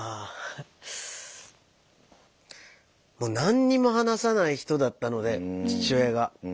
もう何にも話さない人だったので父親が。